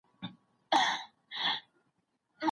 نورې لیکوالانې هم لوستې دي.